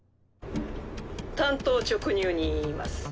単刀直入に言います。